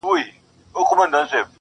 خدایه معلوم یمه، منافقت نه کوم.